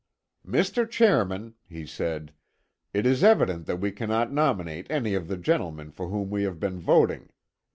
"Mr. Chairman," he said, "it is evident that we cannot nominate any of the gentlemen for whom we have been voting.